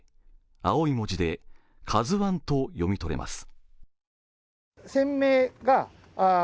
青い文字で「ＫＡＺＵⅠ」と読み取れます。